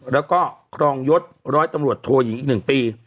แล้วก็ครองยศร้อยตำรวจโทยิงอีก๑ปี